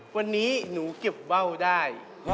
วันนี้หนูเก็บว่าวได้